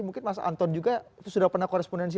mungkin mas anton juga sudah pernah korespondensi